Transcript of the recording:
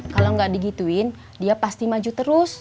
kalau nggak digituin dia pasti maju terus